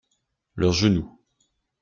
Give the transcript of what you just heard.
Leur genou.